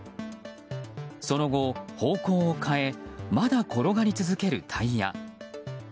その後、方向を変えまだ転がり続けるタイヤ。